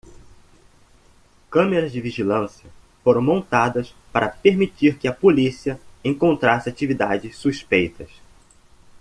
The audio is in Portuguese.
Câmeras de vigilância foram montadas para permitir que a polícia encontrasse atividades suspeitas.